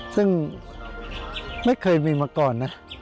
ซึ่งไม่เคยมีมาก่อนนะ